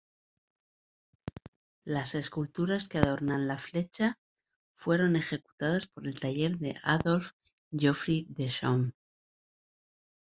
Las esculturas que adornan la flecha fueron ejecutadas por el taller de Adolphe Geoffroy-Dechaume.